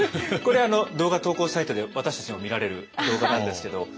これ動画投稿サイトで私たちも見られる動画なんですけど。